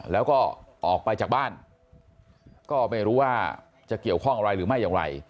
แล้วก็ออกไปจากบ้านก็ไม่รู้ว่าจะเกี่ยวข้องอะไรหรือไม่อย่างไร